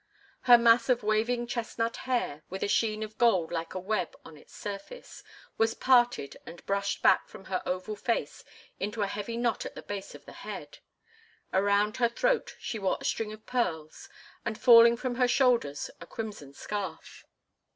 Her mass of waving chestnut hair, with a sheen of gold like a web on its surface, was parted and brushed back from her oval face into a heavy knot at the base of the head. Around her throat she wore a string of pearls, and falling from her shoulders a crimson scarf.